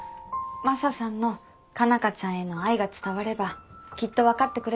マサさんの佳奈花ちゃんへの愛が伝わればきっと分かってくれます。